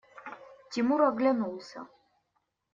Тимур оглянулся.